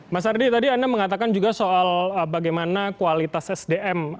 mas ardi tadi anda mengatakan juga soal bagaimana kualitas sdm